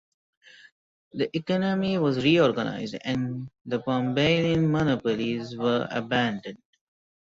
The economy was reorganized and Pombaline monopolies were abandoned.